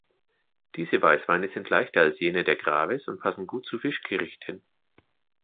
Diese Weißweine sind leichter als jene der Graves und passen gut zu Fischgerichten.